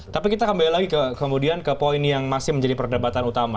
tapi kita kembali lagi kemudian ke poin yang masih menjadi perdebatan utama